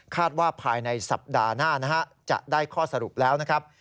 ว่าภายในสัปดาห์หน้านะฮะจะได้ข้อสรุปแล้วนะครับ